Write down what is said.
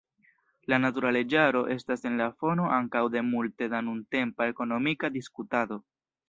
La natura leĝaro estas en la fono ankaŭ de multe da nuntempa ekonomika diskutado.